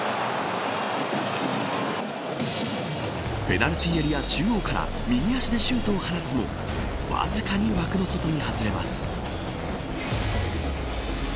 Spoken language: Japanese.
ペナルティーエリア中央から右足でシュートを放つもわずかに枠の外に外れます。